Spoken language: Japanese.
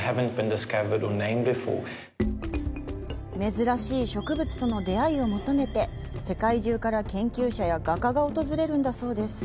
珍しい植物との出会いを求めて世界中から研究者や画家が訪れるんだそうです。